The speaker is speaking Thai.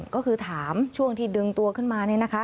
ก็คือถามช่วงที่ดึงตัวขึ้นมาเนี่ยนะคะ